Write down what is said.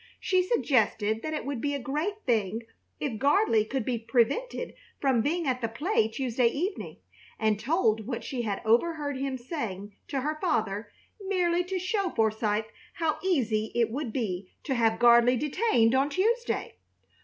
She suggested that it would be a great thing if Gardley could be prevented from being at the play Tuesday evening, and told what she had overheard him saying to her father merely to show Forsythe how easy it would be to have Gardley detained on Tuesday.